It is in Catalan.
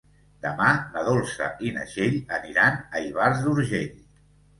Demà na Dolça i na Txell aniran a Ivars d'Urgell.